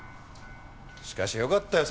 しかしよかったよ